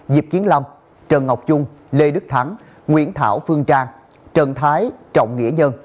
diệp kiến lâm trần ngọc trung lê đức thắng nguyễn thảo phương trang trần thái trọng nghĩa nhân